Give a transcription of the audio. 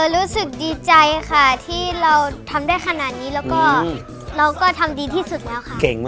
รู้สึกดีใจค่ะที่เราทำได้ขนาดนี้แล้วก็เราก็ทำดีที่สุดแล้วค่ะ